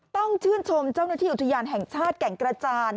ต้องชื่นชมเจ้าหน้าที่อุทยานแห่งชาติแก่งกระจาน